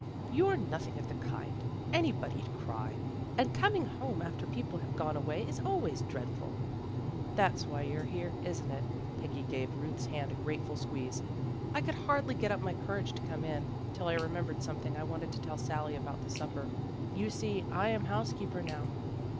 ' You're nothing of the kind. Any body' d cry. And coming home after people have gone away is always dreadful." " That's why you're here, isn't it? " Peggy gave Ruth's hand a grateful squeeze. " I could hardly get up my courage to come in, till I remembered something I wanted to tell Sally about the supper. You see I am house keeper now."